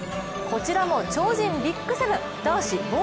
こちらも超人ビッグセブン男子棒